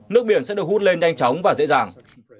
nước biển sẽ được hút lên nhanh chóng và dễ dàng